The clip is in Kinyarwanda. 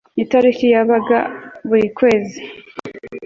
itariki yabaga buri kwezi